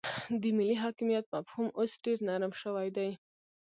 د ملي حاکمیت مفهوم اوس ډیر نرم شوی دی